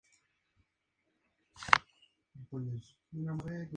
Ese mismo año, Castello fue miembro de la Convención Nacional Constituyente.